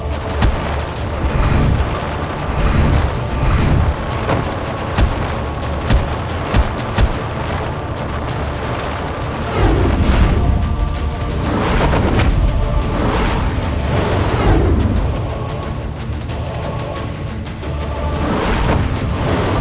assalamualaikum warahmatullahi wabarakatuh